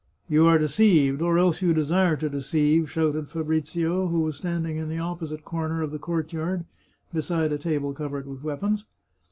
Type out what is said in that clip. " You are deceived, or else you desire to deceive," shouted Fabrizio, who was standing in the opposite corner of the courtyard, beside a table covered with weapons.